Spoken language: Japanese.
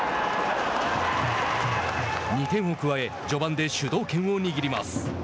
２点を加え序盤で主導権を握ります。